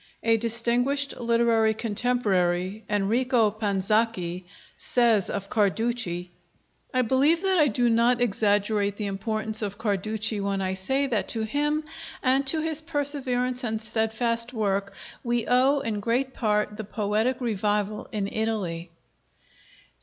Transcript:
A distinguished literary contemporary, Enrico Panzacchi, says of Carducci: "I believe that I do not exaggerate the importance of Carducci when I say that to him and to his perseverance and steadfast work we owe in great part the poetic revival in Italy."